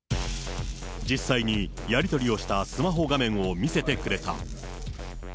実際にやり取りをしたスマホ画面を見せてくれた。